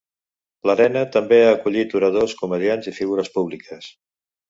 L'arena també ha acollit oradors, comediants i figures públiques.